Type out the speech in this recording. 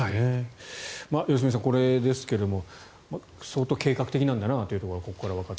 良純さん、これですが相当、計画的なんだなというのがここからわかる。